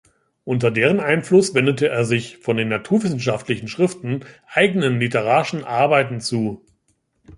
Unter deren Einfluss wendete er sich von den naturwissenschaftlichen Schriften eigenen literarischen Arbeiten zu.